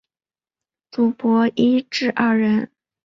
主薄一至二人。